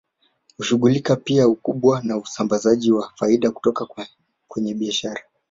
Hushughulika pia ukubwa na usambazaji wa faida kutoka kwenye biashara